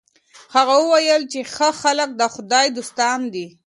هغه وویل چي ښه خلک د خدای دوستان دي.